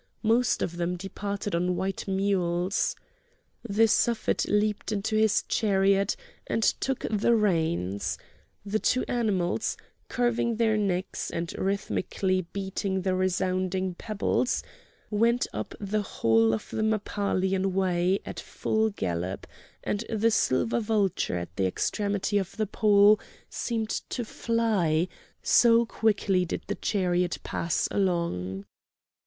Most of them departed on white mules. The Suffet leaped into his chariot and took the reins; the two animals, curving their necks, and rhythmically beating the resounding pebbles, went up the whole of the Mappalian Way at full gallop, and the silver vulture at the extremity of the pole seemed to fly, so quickly did the chariot pass along.